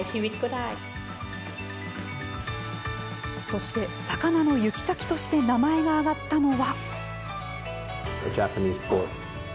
そして、魚の行き先として名前が挙がったのは。